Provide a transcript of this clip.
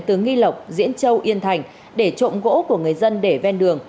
từ nghi lộc diễn châu yên thành để trộm gỗ của người dân để ven đường